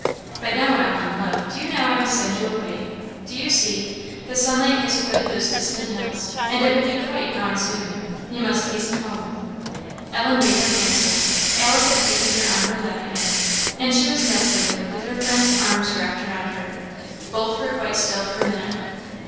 "But now, Ellen, love, do you know I must send you away? Do you see, the sunlight has quitted those distant hills, and it will be quite gone soon. You must hasten home." Ellen made no answer. Alice had taken her on her lap again, and she was nestling there with her friend's arms wrapped around her. Both were quite still for a minute.